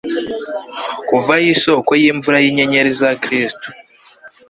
kuva aho isoko yimvura yinyenyeri za kristu